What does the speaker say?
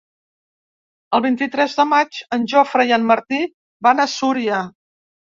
El vint-i-tres de maig en Jofre i en Martí van a Súria.